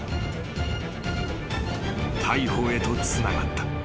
［逮捕へとつながった］